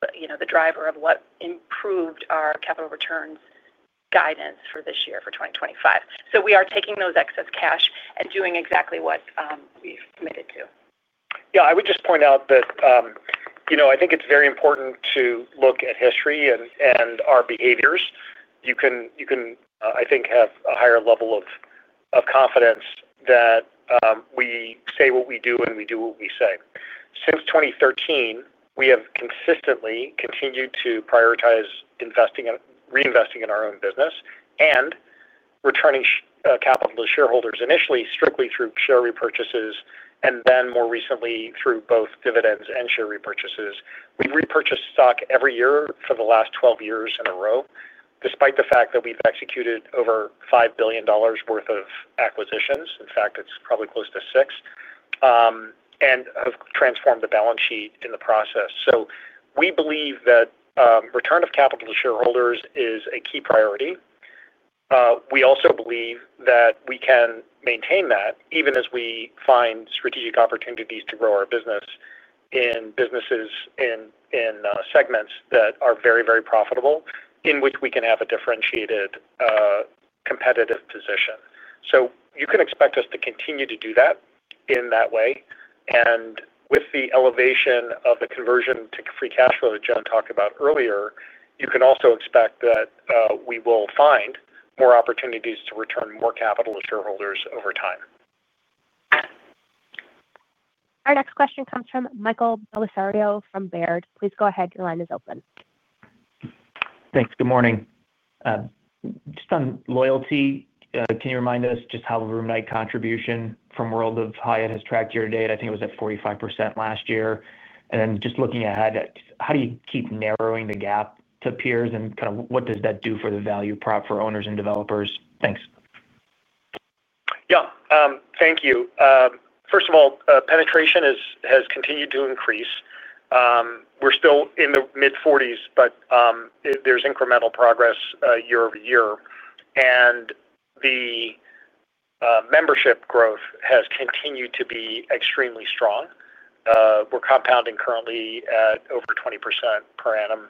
the driver of what improved our capital returns guidance for this year, for 2025. We are taking those excess cash and doing exactly what we've committed to. Yeah. I would just point out that I think it's very important to look at history and our behaviors. You can, I think, have a higher level of confidence that we say what we do and we do what we say. Since 2013, we have consistently continued to prioritize reinvesting in our own business and returning capital to shareholders initially strictly through share repurchases, and then more recently through both dividends and share repurchases. We've repurchased stock every year for the last 12 years in a row, despite the fact that we've executed over $5 billion worth of acquisitions. In fact, it's probably close to $6 billion and have transformed the balance sheet in the process. We believe that return of capital to shareholders is a key priority. We also believe that we can maintain that even as we find strategic opportunities to grow our business. In businesses in segments that are very, very profitable in which we can have a differentiated, competitive position. You can expect us to continue to do that in that way. With the elevation of the conversion to free cash flow that Joan talked about earlier, you can also expect that we will find more opportunities to return more capital to shareholders over time. Our next question comes from Michael Bellisario from Baird. Please go ahead. Your line is open. Thanks. Good morning. Just on loyalty, can you remind us just how the room night contribution from World of Hyatt has tracked year to date? I think it was at 45% last year. Just looking ahead, how do you keep narrowing the gap to peers? Kind of what does that do for the value prop for owners and developers? Thanks. Yeah. Thank you. First of all, penetration has continued to increase. We're still in the mid-40s, but there's incremental progress year over year. Membership growth has continued to be extremely strong. We're compounding currently at over 20% per annum,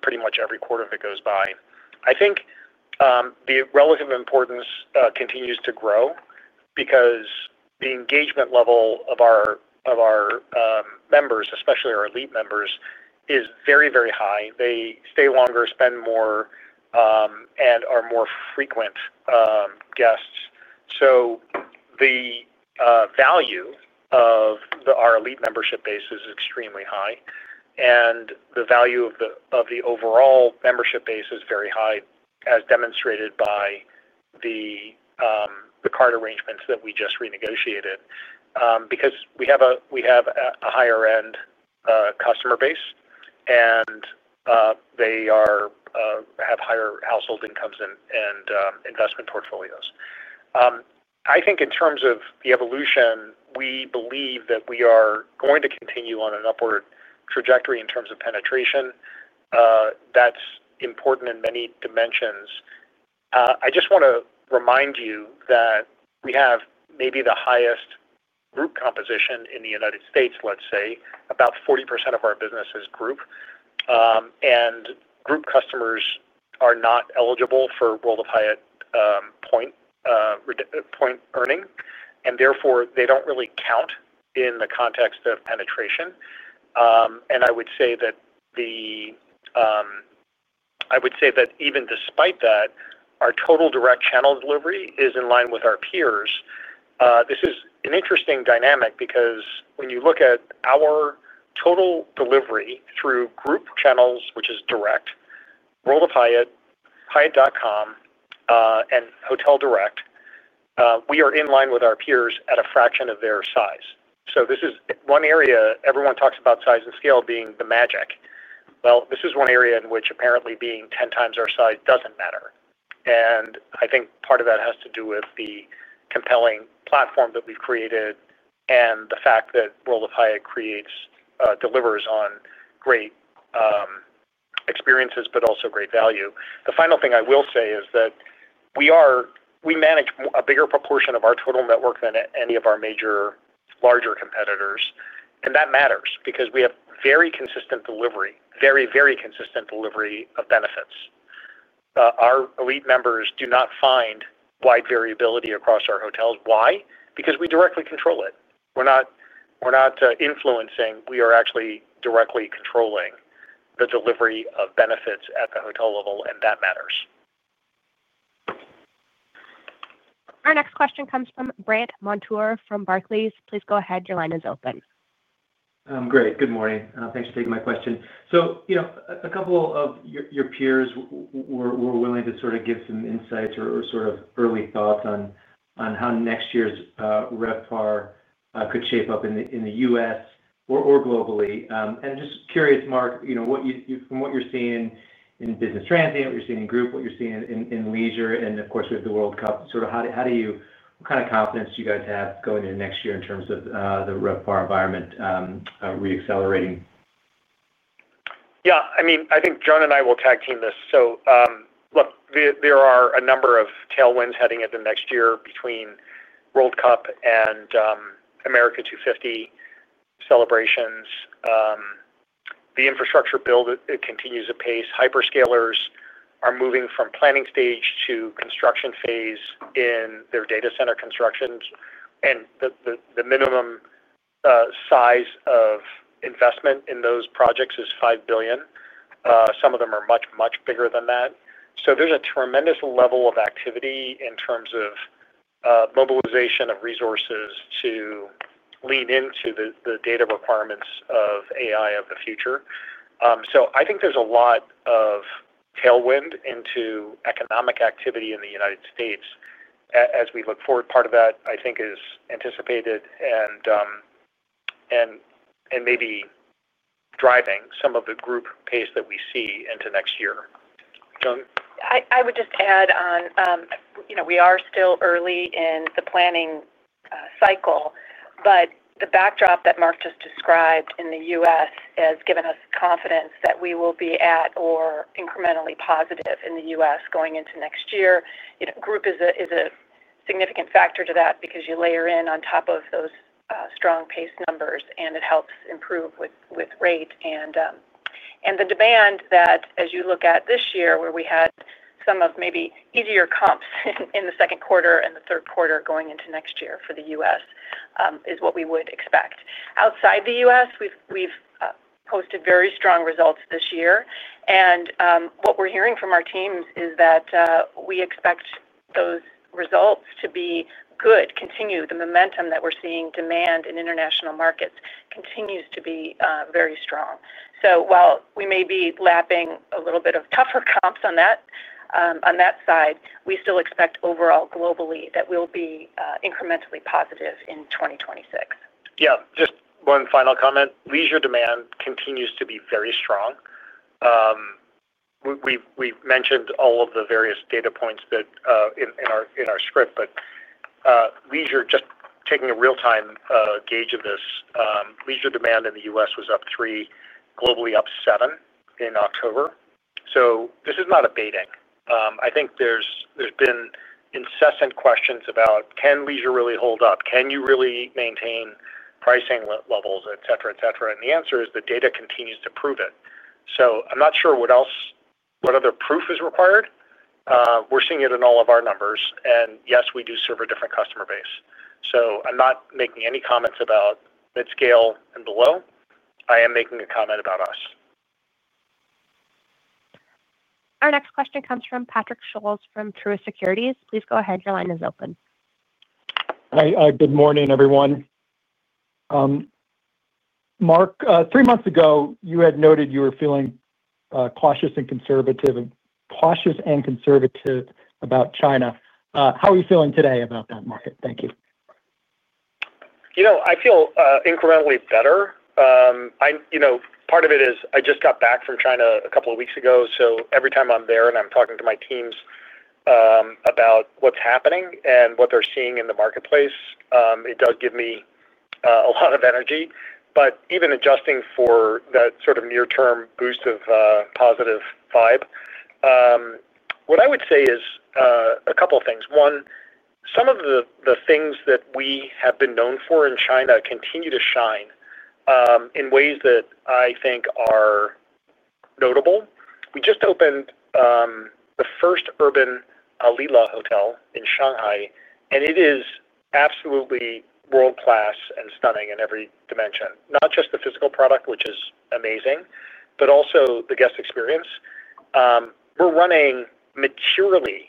pretty much every quarter that goes by. I think the relative importance continues to grow because the engagement level of our members, especially our elite members, is very, very high. They stay longer, spend more, and are more frequent guests. The value of our elite membership base is extremely high. And the value of the overall membership base is very high, as demonstrated by the card arrangements that we just renegotiated. Because we have a higher-end customer base, and they have higher household incomes and investment portfolios. I think in terms of the evolution, we believe that we are going to continue on an upward trajectory in terms of penetration. That is important in many dimensions. I just want to remind you that we have maybe the highest group composition in the United States, let's say, about 40% of our business is group. Group customers are not eligible for World of Hyatt point earning, and therefore, they do not really count in the context of penetration. I would say that even despite that, our total direct channel delivery is in line with our peers. This is an interesting dynamic because when you look at our total delivery through group channels, which is direct, World of Hyatt, hyatt.com, and Hotel Direct, we are in line with our peers at a fraction of their size. This is one area; everyone talks about size and scale being the magic. This is one area in which apparently being 10 times our size does not matter. I think part of that has to do with the compelling platform that we have created and the fact that World of Hyatt delivers on great experiences, but also great value. The final thing I will say is that we manage a bigger proportion of our total network than any of our major, larger competitors. That matters because we have very consistent delivery, very, very consistent delivery of benefits. Our elite members do not find wide variability across our hotels. Why? Because we directly control it. We are not influencing. We are actually directly controlling the delivery of benefits at the hotel level, and that matters. Our next question comes from Brandt Montour from Barclays. Please go ahead. Your line is open. Great. Good morning. Thanks for taking my question. A couple of your peers were willing to sort of give some insights or sort of early thoughts on how next year's RevPAR could shape up in the U.S. or globally. Just curious, Mark, from what you're seeing in business transient, what you're seeing in group, what you're seeing in leisure, and of course, with the World Cup, sort of how do you—what kind of confidence do you guys have going into next year in terms of the RevPAR environment. Re-accelerating? Yeah. I mean, I think Joan and I will tag team this. Look, there are a number of tailwinds heading into next year between World Cup and America 250 celebrations. The infrastructure build, it continues to pace. Hyperscalers are moving from planning stage to construction phase in their data center constructions. The minimum size of investment in those projects is $5 billion. Some of them are much, much bigger than that. There is a tremendous level of activity in terms of mobilization of resources to lean into the data requirements of AI of the future. I think there is a lot of tailwind into economic activity in the United States as we look forward. Part of that, I think, is anticipated and maybe driving some of the group pace that we see into next year. I would just add on. We are still early in the planning cycle, but the backdrop that Mark just described in the U.S. has given us confidence that we will be at or incrementally positive in the U.S. going into next year. Group is a significant factor to that because you layer in on top of those strong pace numbers, and it helps improve with rate. The demand that, as you look at this year, where we had some of maybe easier comps in the second quarter and the third quarter going into next year for the U.S., is what we would expect. Outside the U.S., we've posted very strong results this year. What we're hearing from our teams is that we expect those results to be good. Continue. The momentum that we're seeing demand in international markets continues to be very strong. While we may be lapping a little bit of tougher comps on that side, we still expect overall globally that we'll be incrementally positive in 2026. Yeah. Just one final comment. Leisure demand continues to be very strong. We've mentioned all of the various data points in our script, but leisure, just taking a real-time gauge of this, leisure demand in the U.S. was up three, globally up seven in October. This is not abating. I think there's been incessant questions about, can leisure really hold up? Can you really maintain pricing levels, etc., etc.? The answer is the data continues to prove it. I'm not sure what other proof is required. We're seeing it in all of our numbers. Yes, we do serve a different customer base. I'm not making any comments about mid-scale and below. I am making a comment about us. Our next question comes from Patrick Scholes from Truist Securities. Please go ahead. Your line is open. Hi. Good morning, everyone. Mark, three months ago, you had noted you were feeling cautious and conservative about China. How are you feeling today about that, Mark? Thank you. I feel incrementally better. Part of it is I just got back from China a couple of weeks ago. Every time I am there and I am talking to my teams about what is happening and what they are seeing in the marketplace, it does give me a lot of energy. Even adjusting for that sort of near-term boost of positive vibe, what I would say is a couple of things. One, some of the things that we have been known for in China continue to shine in ways that I think are notable. We just opened the first urban Alila Hotel in Shanghai, and it is absolutely world-class and stunning in every dimension. Not just the physical product, which is amazing, but also the guest experience. We are running materially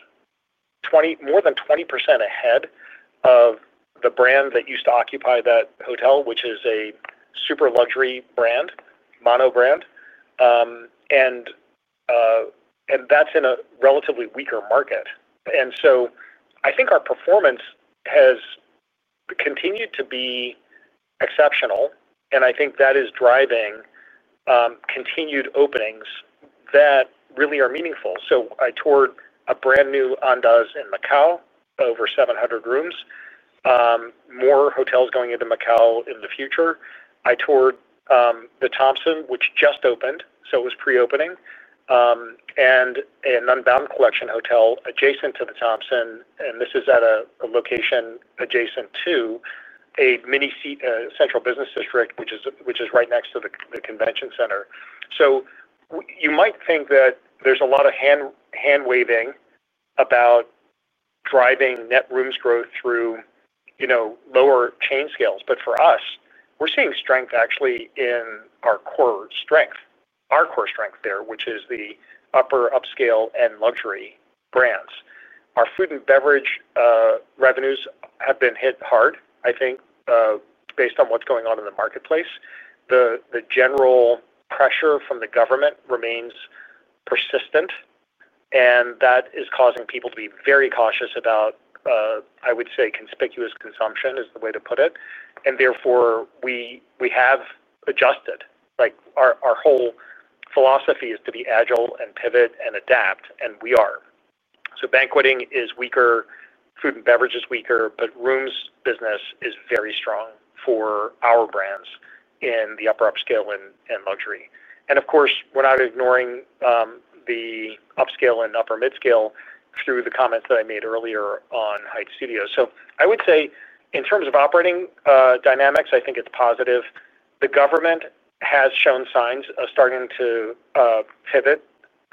more than 20% ahead of the brand that used to occupy that hotel, which is a super luxury brand, mono brand. That's in a relatively weaker market. I think our performance has continued to be exceptional. I think that is driving continued openings that really are meaningful. I toured a brand new Andaz in Macau, over 700 rooms. More hotels going into Macau in the future. I toured the Thompson, which just opened, so it was pre-opening, and an Unbound Collection Hotel adjacent to the Thompson. This is at a location adjacent to a mini central business district, which is right next to the convention center. You might think that there's a lot of hand-waving about driving net rooms growth through lower chain scales. For us, we're seeing strength actually in our core strength there, which is the upper, upscale, and luxury brands. Our food and beverage revenues have been hit hard, I think. Based on what's going on in the marketplace. The general pressure from the government remains persistent. That is causing people to be very cautious about, I would say, conspicuous consumption is the way to put it. Therefore, we have adjusted. Our whole philosophy is to be agile and pivot and adapt, and we are. Banqueting is weaker, food and beverage is weaker, but rooms business is very strong for our brands in the upper, upscale, and luxury. Of course, we're not ignoring the upscale and upper mid-scale through the comments that I made earlier on Hyatt Studios. I would say in terms of operating dynamics, I think it's positive. The government has shown signs of starting to pivot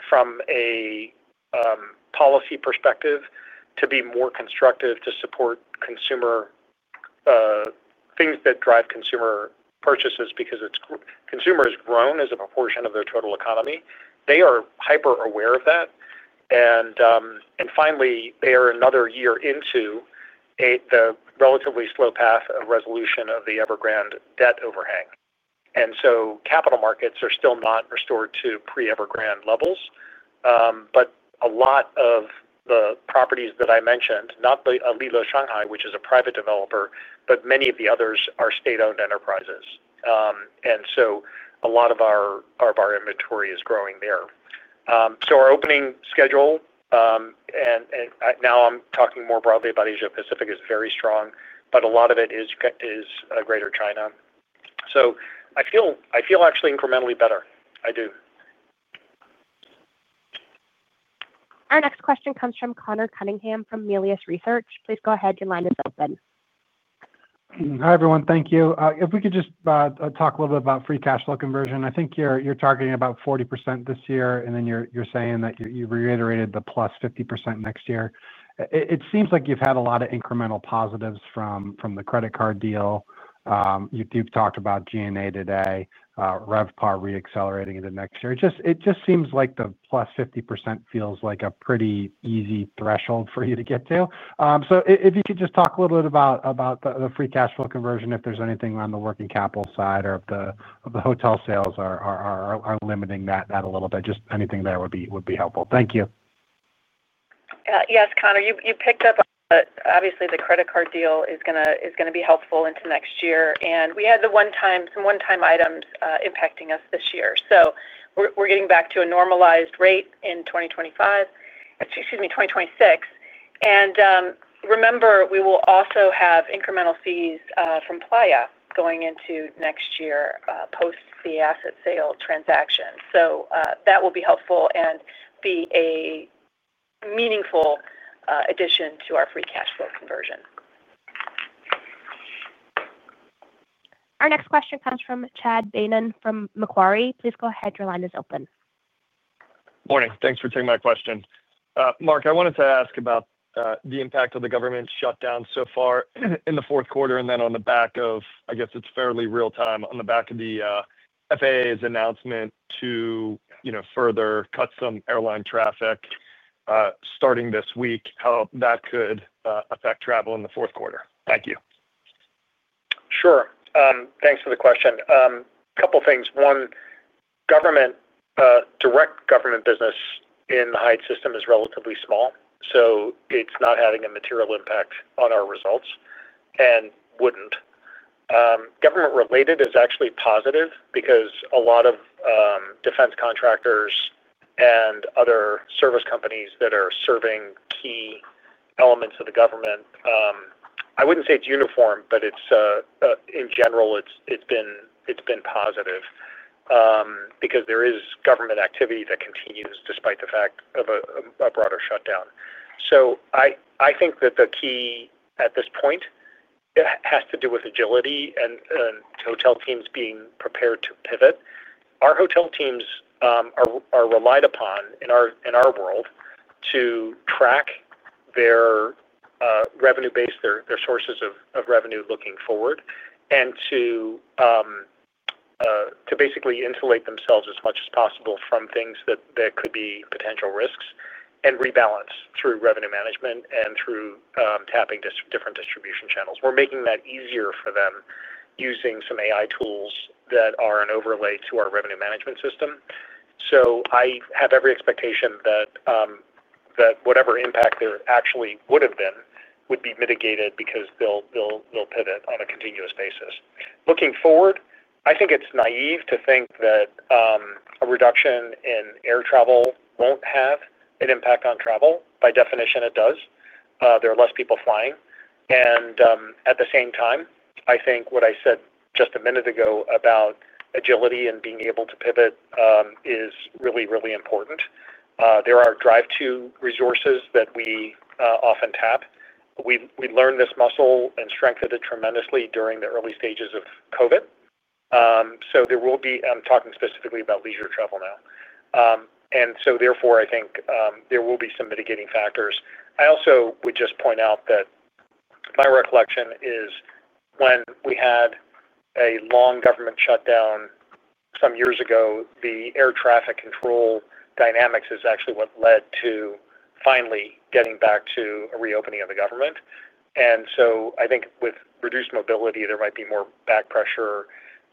from a policy perspective to be more constructive to support things that drive consumer purchases because consumer has grown as a proportion of their total economy. They are hyper-aware of that. Finally, they are another year into the relatively slow path of resolution of the Evergrande debt overhang. Capital markets are still not restored to pre-Evergrande levels. A lot of the properties that I mentioned, not the Alila Shanghai, which is a private developer, but many of the others are state-owned enterprises. A lot of our inventory is growing there. Our opening schedule, and now I am talking more broadly about Asia-Pacific, is very strong, but a lot of it is Greater China. I feel actually incrementally better. I do. Our next question comes from Conor Cunningham from Melius Research. Please go ahead. Your line is open. Hi, everyone. Thank you. If we could just talk a little bit about free cash flow conversion. I think you're targeting about 40% this year, and then you're saying that you've reiterated the plus 50% next year. It seems like you've had a lot of incremental positives from the credit card deal. You've talked about G&A today, RevPAR re-accelerating into next year. It just seems like the +50% feels like a pretty easy threshold for you to get to. If you could just talk a little bit about the free cash flow conversion, if there's anything on the working capital side or if the hotel sales are limiting that a little bit. Just anything there would be helpful. Thank you. Yes, Conor. You picked up. Obviously, the credit card deal is going to be helpful into next year. We had some one-time items impacting us this year. We are getting back to a normalized rate in 2025. Excuse me, 2026. Remember, we will also have incremental fees from Playa going into next year post the asset sale transaction. That will be helpful and be a meaningful addition to our free cash flow conversion. Our next question comes from Chad Beynon from Macquarie. Please go ahead. Your line is open. Morning. Thanks for taking my question. Mark, I wanted to ask about the impact of the government shutdown so far in the fourth quarter and then on the back of, I guess it's fairly real-time, on the back of the FAA's announcement to further cut some airline traffic. Starting this week, how that could affect travel in the fourth quarter. Thank you. Sure. Thanks for the question. A couple of things. One, government. Direct government business in the Hyatt system is relatively small. It is not having a material impact on our results and would not. Government-related is actually positive because a lot of defense contractors and other service companies that are serving key elements of the government. I would not say it is uniform, but in general, it has been positive. There is government activity that continues despite the fact of a broader shutdown. I think that the key at this point has to do with agility and hotel teams being prepared to pivot. Our hotel teams are relied upon in our world to track their revenue base, their sources of revenue looking forward, and to basically insulate themselves as much as possible from things that could be potential risks and rebalance through revenue management and through tapping different distribution channels. We're making that easier for them using some AI tools that are an overlay to our revenue management system. I have every expectation that whatever impact there actually would have been would be mitigated because they'll pivot on a continuous basis. Looking forward, I think it's naive to think that a reduction in air travel won't have an impact on travel. By definition, it does. There are less people flying. At the same time, I think what I said just a minute ago about agility and being able to pivot is really, really important. There are drive-to resources that we often tap. We learned this muscle and strengthened it tremendously during the early stages of COVID. I'm talking specifically about leisure travel now. Therefore, I think there will be some mitigating factors. I also would just point out that my recollection is. When we had a long government shutdown some years ago, the air traffic control dynamics is actually what led to finally getting back to a reopening of the government. I think with reduced mobility, there might be more back pressure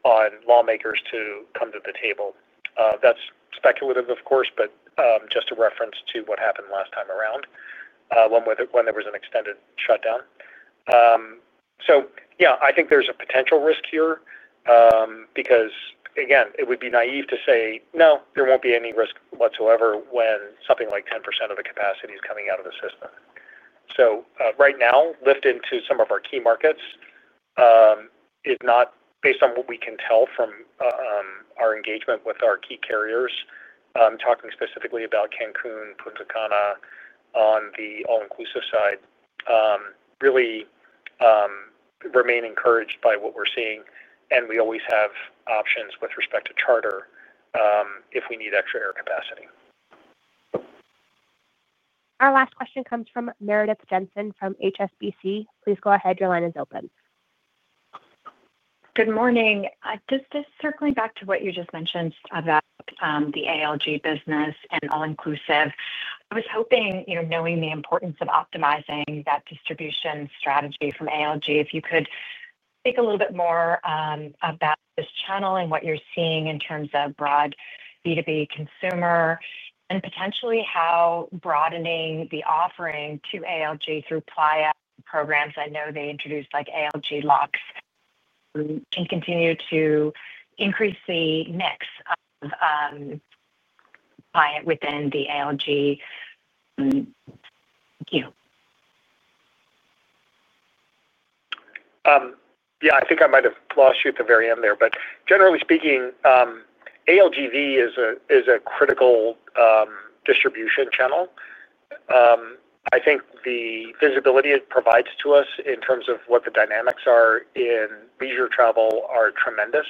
on lawmakers to come to the table. That's speculative, of course, but just a reference to what happened last time around when there was an extended shutdown. I think there's a potential risk here, because, again, it would be naive to say, "No, there won't be any risk whatsoever when something like 10% of the capacity is coming out of the system." Right now, lift into some of our key markets is not, based on what we can tell from our engagement with our key carriers, talking specifically about Cancun, Punta Cana on the all-inclusive side. Really, remain encouraged by what we're seeing. We always have options with respect to charter if we need extra air capacity. Our last question comes from Meredith Jensen from HSBC. Please go ahead. Your line is open. Good morning. Just circling back to what you just mentioned about the ALG business and all-inclusive, I was hoping, knowing the importance of optimizing that distribution strategy from ALG, if you could speak a little bit more about this channel and what you're seeing in terms of broad B2B consumer and potentially how broadening the offering to ALG through Playa programs, I know they introduced like ALG locks, can continue to increase the mix of client within the ALG. Thank you. Yeah, I think I might have lost you at the very end there. Generally speaking, ALGV is a critical distribution channel. I think the visibility it provides to us in terms of what the dynamics are in leisure travel are tremendous.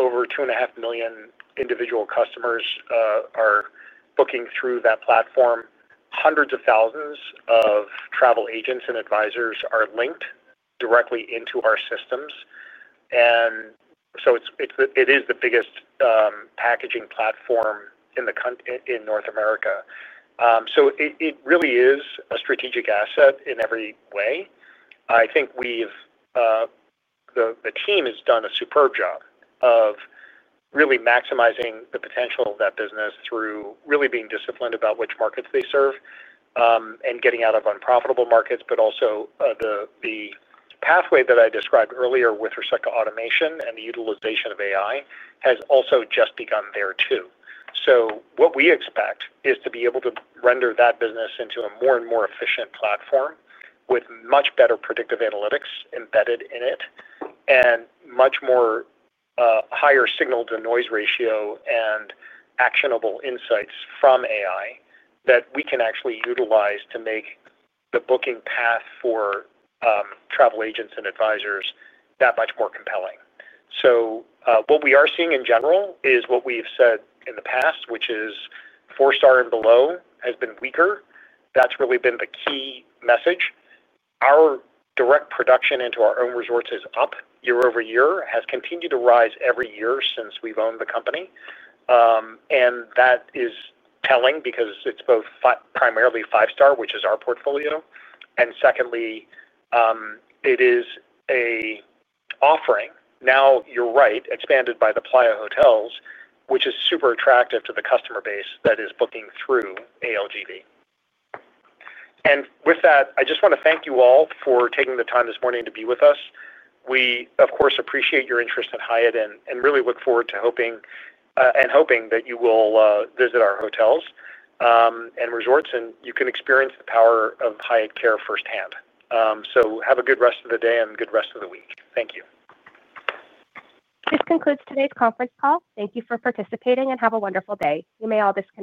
Over two and a half million individual customers are booking through that platform. Hundreds of thousands of travel agents and advisors are linked directly into our systems. It is the biggest packaging platform in North America. It really is a strategic asset in every way. I think the team has done a superb job of really maximizing the potential of that business through really being disciplined about which markets they serve and getting out of unprofitable markets, but also the pathway that I described earlier with respect to automation and the utilization of AI has also just begun there too. What we expect is to be able to render that business into a more and more efficient platform with much better predictive analytics embedded in it and much more. Higher signal-to-noise ratio and actionable insights from AI that we can actually utilize to make the booking path for travel agents and advisors that much more compelling. What we are seeing in general is what we've said in the past, which is four-star and below has been weaker. That's really been the key message. Our direct production into our own resources up year over year has continued to rise every year since we've owned the company. That is telling because it's both primarily five-star, which is our portfolio. Secondly, it is an offering now, you're right, expanded by the Playa Hotels, which is super attractive to the customer base that is booking through ALGV. With that, I just want to thank you all for taking the time this morning to be with us. We, of course, appreciate your interest in Hyatt and really look forward to hoping that you will visit our hotels and resorts, and you can experience the power of Hyatt Care firsthand. Have a good rest of the day and good rest of the week. Thank you. This concludes today's conference call. Thank you for participating and have a wonderful day. You may all disconnect.